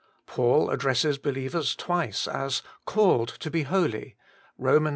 Paul addresses believers twice as ' called to be holy (Eom. i.